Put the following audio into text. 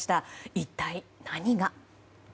一体、何が。